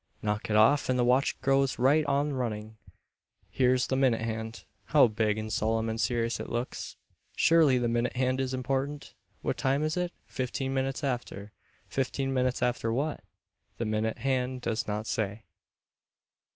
Knock it off and the watch goes right on running. Here's the minute hand. How big, and solemn and serious it looks! Surely the minute hand is important. What time is it? Fifteen minutes after. Fifteen minutes after what? The minute hand does not say.